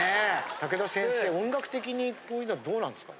武田先生音楽的にこういうのはどうなんですか？